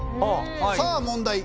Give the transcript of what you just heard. さあ問題。